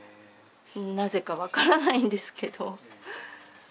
なぜか分からないんですけど。